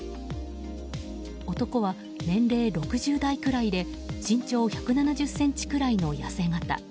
男は年齢６０代くらいで身長１７０ｃｍくらいの痩せ形。